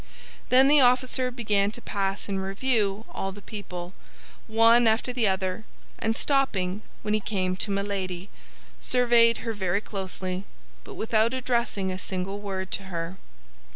Then the officer began to pass in review all the people, one after the other, and stopping when he came to Milady, surveyed her very closely, but without addressing a single word to her.